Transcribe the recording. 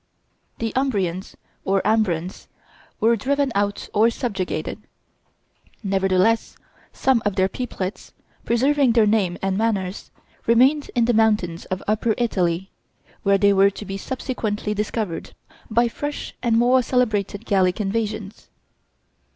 The Umbrians or Ambrons were driven out or subjugated. Nevertheless some of their peoplets, preserving their name and manners, remained in the mountains of upper Italy, where they were to be subsequently discovered by fresh and more celebrated Gallic invasions.